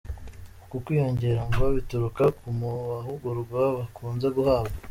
Uku kwiyongera ngo bituruka ku mahugurwa bakunze guhabwa.